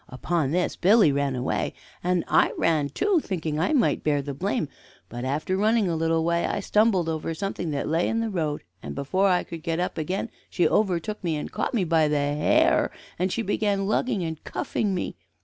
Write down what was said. Upon this Billy ran away, and I ran too, thinking I might bear the blame. But after running a little way I stumbled over something that lay in the road, and before I could get up again she overtook me, and caught me by the hair, and began lugging and cuffing me.